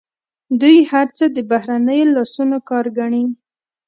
دوی هر څه د بهرنیو لاسونو کار ګڼي.